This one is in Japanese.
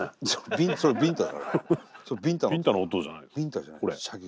ビンタじゃない射撃。